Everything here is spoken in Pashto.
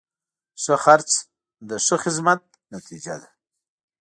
ښه خرڅ د ښه خدمت نتیجه ده.